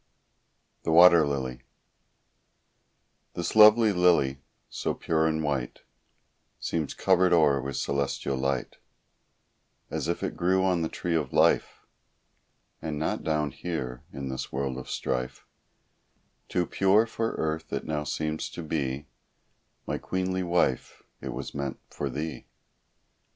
THE WATER LILY This lovely lily, so pure and white, Seems covered o'er with celestial light; As if it grew on the "Tree of Life," And not down here, in this world of strife; Too pure for earth it now seems to be; My queenly wife, it was meant for thee.